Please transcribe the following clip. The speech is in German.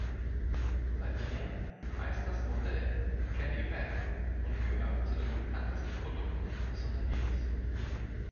Seither heißt das Modell "Kelly Bag" und gehört zu den bekanntesten Produkten des Unternehmens.